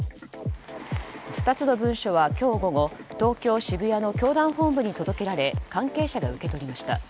２つの文書は今日午後東京・渋谷の教団本部に届けられ関係者が受け取りました。